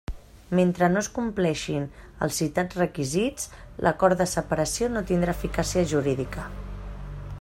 Mentre no es compleixin els citats requisits, l'acord de separació no tindrà eficàcia jurídica.